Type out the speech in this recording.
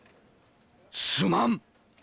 すまん！